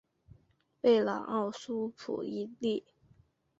贝朗奥苏普伊利。